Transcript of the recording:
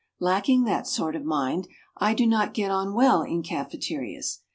Lacking that sort of mind, I do not get on well in cafeterias.